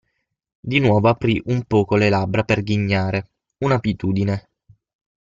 Di nuovo aprí un poco le labbra per ghignare – un'abitudine!